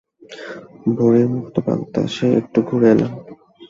ভোরে মুক্ত বাতাসে একটু ঘুরে এলাম।